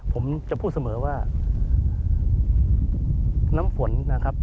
ผมจะพูดเสมอว่าน้ำฝนนะครับ